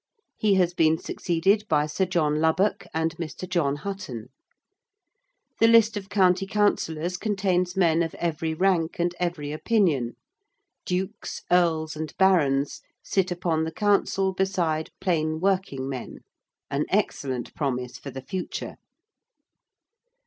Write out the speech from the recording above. He has been succeeded by Sir John Lubbock and Mr. John Hutton. The list of County Councillors contains men of every rank and every opinion. Dukes, Earls and Barons, sit upon the Council beside plain working men an excellent promise for the future.